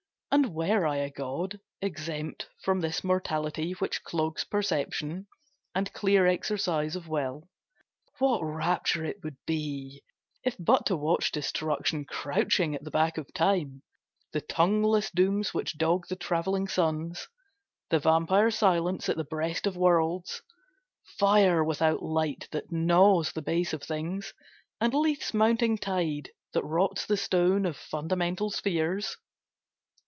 And were I god, Exempt from this mortality which clogs Perception, and clear exercise of will, What rapture it would be, if but to watch Destruction crouching at the back of Time, The tongueless dooms which dog the travelling suns; The vampire Silence at the breast of worlds, Fire without light that gnaws the base of things, And Lethe's mounting tide, that rots the stone Of fundamental spheres.